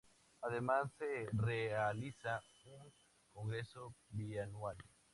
Además se realiza un Congreso bianual.